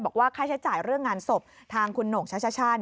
บอกว่าค่าใช้จ่ายเรื่องงานสบทางคุณหนกชชช่า